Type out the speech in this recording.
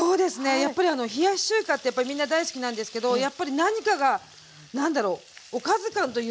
やっぱり冷やし中華ってやっぱりみんな大好きなんですけどやっぱり何かが何だろうおかず感というんですかね